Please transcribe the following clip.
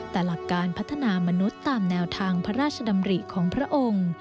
แต่หลักการพัฒนามนุษย์ตามแนวทางพระราชดำริของพระองค์